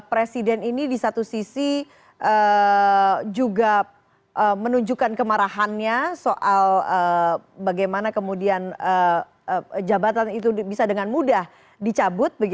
presiden ini di satu sisi juga menunjukkan kemarahannya soal bagaimana kemudian jabatan itu bisa dengan mudah dicabut